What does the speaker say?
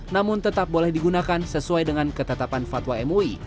namun tetap boleh digunakan sesuai dengan ketetapan fatwa mui